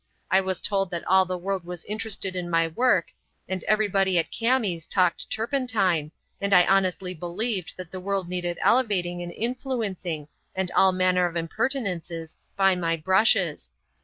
I was told that all the world was interested in my work, and everybody at Kami's talked turpentine, and I honestly believed that the world needed elevating and influencing, and all manner of impertinences, by my brushes.